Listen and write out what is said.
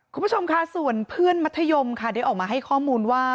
คุณผู้ชมค่ะส่วนเพื่อนมัธยมค่ะได้ออกมาให้ข้อมูลว่า